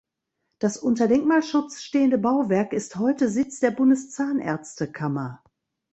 Das unter Denkmalschutz stehende Bauwerk ist heute Sitz der Bundeszahnärztekammer.